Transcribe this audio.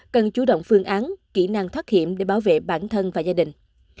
cần chủ động phương án kỹ năng thoát hiểm để bảo vệ bản thân và gia đình